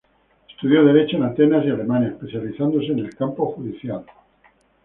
Estudió Derecho en Atenas y Alemania, especializándose en el campo judicial.